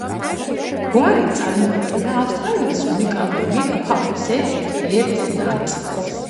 გვარი წარმოადგენდა ავსტრალიის უნიკალური მეგაფაუნის ერთ-ერთ ნაწილს.